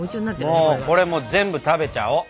もうこれ全部食べちゃお！